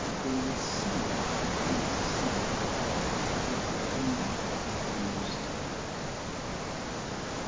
They would see with Pitys seeing— If they only understood.